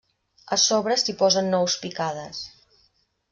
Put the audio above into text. A sobre s'hi posen nous picades.